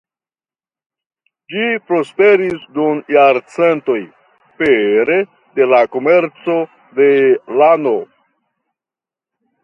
Ĝi prosperis dum jarcentoj pere de la komerco de lano.